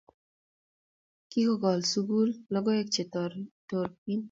kikol sukul logoek che terotin.